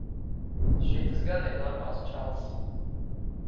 Šitas gan ir normāls čalis.